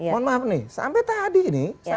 mohon maaf nih sampai tadi ini